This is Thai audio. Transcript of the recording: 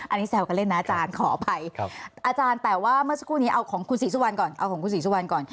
อันนี้แซวกันเล่นนะอาจารย์ขออภัยอาจารย์แต่ว่าเมื่อสักครู่นี้เอาของคุณศรีสุวรรณก่อน